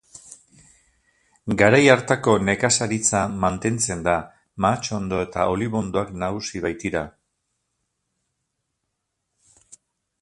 Garai hartako nekazaritza mantentzen da, mahatsondo eta olibondoak nagusi baitira.